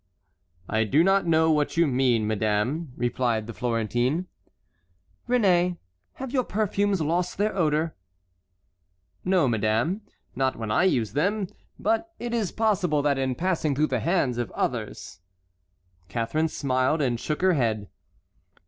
"I do not know what you mean, madame," replied the Florentine. "Réné, have your perfumes lost their odor?" "No, madame, not when I use them; but it is possible that in passing through the hands of others"— Catharine smiled and shook her head.